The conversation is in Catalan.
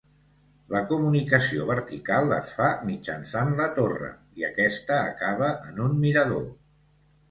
La comunicació vertical es fa mitjançant la torre, i aquesta acaba en un mirador.